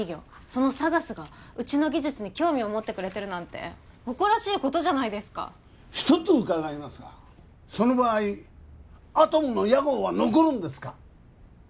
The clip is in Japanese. そのＳＡＧＡＳがうちの技術に興味を持ってくれてるなんて誇らしいことじゃないですか一つ伺いますがその場合アトムの屋号は残るんですか